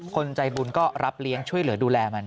คนใจบุญก็รับเลี้ยงช่วยเหลือดูแลมัน